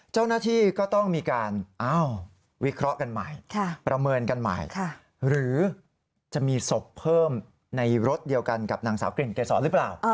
เจ้าหน้าที่ก็ต้องมีการวิเคราะห์กันใหม่ประเมินกันใหม่หรือจะมีศพเพิ่มในรถเดียวกันกับนางสาวกลิ่นเกษรหรือเปล่า